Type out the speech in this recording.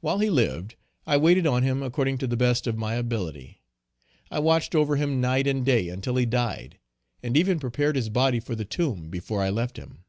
While he lived, I waited on him according to the best of my ability. I watched over him night and day until he died, and even prepared his body for the tomb, before I left him.